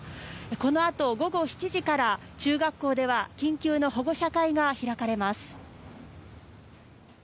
このあと、午後７時から中学校では緊急の保護者会が開かれます。